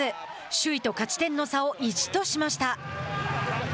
首位と勝ち点の差を１としました。